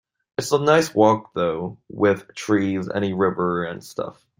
It's a nice walk though, with trees and a river and stuff.